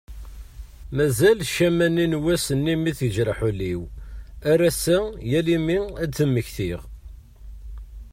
Mazal ccama n wass-nni mi tejreḥ ul-iw ar ass-a yal mi ad d-mmektiɣ.